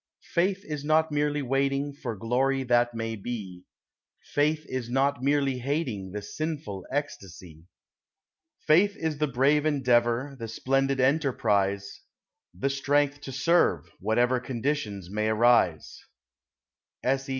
Faith is not merely waiting For glory that may be, Faith is not merely hating The sinful ecstasy. Faith is the brave endeavor The splendid enterprise, The strength to serve, whatever Conditions may arise.